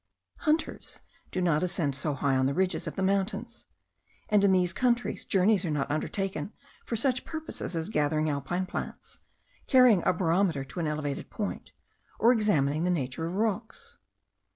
Hunters do not ascend so high on the ridges of mountains; and in these countries journeys are not undertaken for such purposes as gathering alpine plants, carrying a barometer to an elevated point, or examining the nature of rocks.